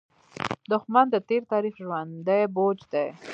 دښمن د تېر تاریخ ژوندى بوج دی